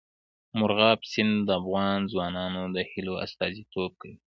مورغاب سیند د افغان ځوانانو د هیلو استازیتوب کوي.